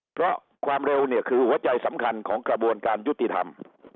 เพราะความเร็วเนี่ยคือหัวใจสำคัญของกระบวนการยุติธรรม